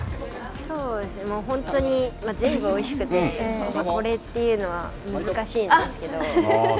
もう本当に全部おいしくて、これというのは、難しいんですけど。